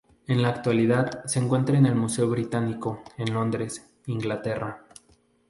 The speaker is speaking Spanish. En la actualidad se encuentra en el Museo Británico, en Londres, Inglaterra.